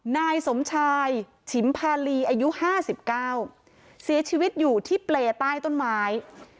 นายสมชายฉิมพาลีอายุห้าสิบเก้าเสียชีวิตอยู่ที่เปลต้ายต้นไม้